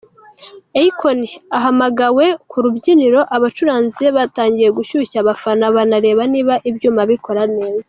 Akon ahamagawe ku rubyiniro, abacuranzi be batangiye gushyushya abafana banareba niba ibyuma bikora neza.